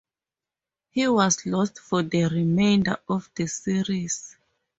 He was lost for the remainder of the series.